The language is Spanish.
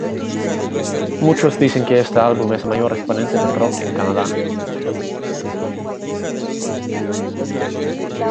Muchos dicen que este álbum es el mayor exponente del rock en Canadá.